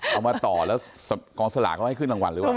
เอามาต่อแล้วกองสลากเขาให้ขึ้นรางวัลหรือเปล่า